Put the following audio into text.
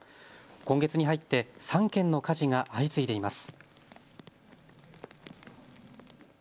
今月に入って３件の火事が相次いでいます。